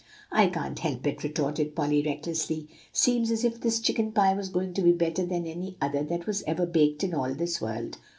"I can't help it," retorted Polly recklessly; "seems as if this chicken pie was going to be better than any other that was ever baked in all this world.